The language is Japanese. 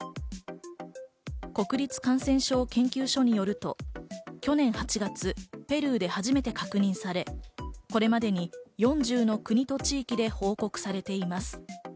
国立感染症研究所によると、去年８月、ペルーで初めて確認され、これまでに４０の国と地域で報告されています。